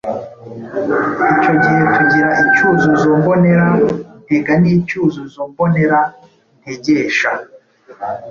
Icyo gihe tugira icyuzuzo mbonera ntega n’icyuzuzo mbonera ntegesha.